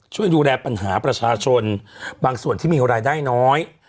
ช่วยดูแลปัญหาประชาชนบางส่วนที่มีรายได้น้อย